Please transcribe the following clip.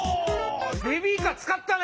ベビーカー使ったね！